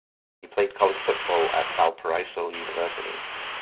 He played college football at Valparaiso University.